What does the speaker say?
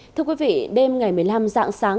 thưa quý vị đêm ngày một mươi năm dạng sáng